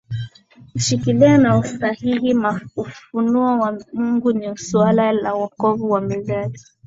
kushikilia kwa usahihi ufunuo wa Mungu ni suala la wokovu wa milele